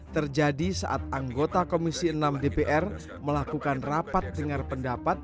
terjadi saat anggota komisi enam dpr melakukan rapat dengar pendapat